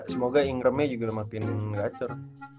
semoga ingram nya juga dimakin ngacor